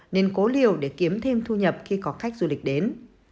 nên cố liều để kiếm thêm thu nhập khi có khách du lịch đến